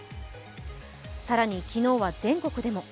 更に、昨日は全国でも。